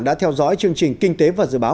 đã theo dõi chương trình kinh tế và dự báo